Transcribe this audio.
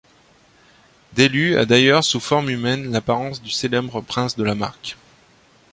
Dheluu à d'ailleurs, sous forme humaine, l'apparence du célèbre prince de la marque.